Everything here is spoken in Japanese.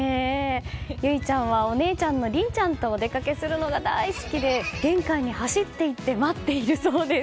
唯ちゃんはお姉ちゃんの凛ちゃんとお出かけするのが大好きで玄関に走っていって待っているそうです。